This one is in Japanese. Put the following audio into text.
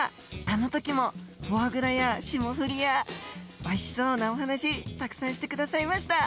あの時もフォアグラや霜降りやおいしそうなお話たくさんして下さいました！